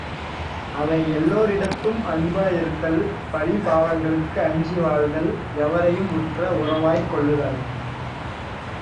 அவை எல்லோரிடத்தும் அன்பாயிருத்தல், பழி பாவங்களுக்கு அஞ்சி வாழ்தல், எவரையும் உற்ற உறவாய்க் கொள்ளுதல்.